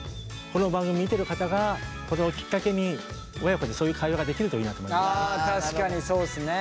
この番組見てる方がこれをきっかけに親子でそういう会話ができるといいなと。